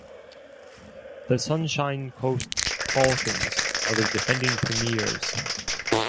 The Sunshine Coast Falcons are the defending premiers.